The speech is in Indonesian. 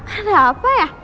ada apa ya